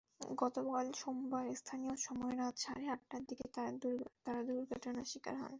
গতকাল সোমবার স্থানীয় সময় রাত সাড়ে আটটার দিকে তাঁরা দুর্ঘটনার শিকার হন।